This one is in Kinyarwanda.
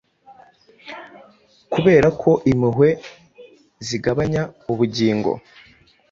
Kuberako impuhwe zigabanya ubugingo